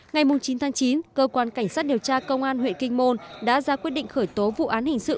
ngày chín tháng chín cơ quan cảnh sát điều tra công an huyện kinh môn đã ra quyết định khởi tố vụ án hình sự